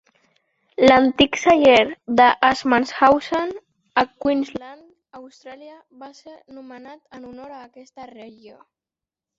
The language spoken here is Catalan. L'antic celler de Assmanshausen, a Queensland, Austràlia, va ser nomenat en honor a aquesta regió.